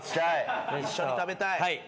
一緒に食べたい。